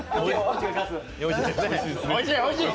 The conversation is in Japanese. おいしい、おいしい！